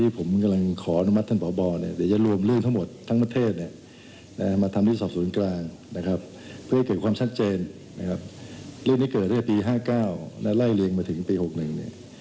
ผมไม่กล่าวชื่อคนเรื่อง